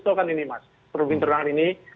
itu kan ini mas perubin terang ini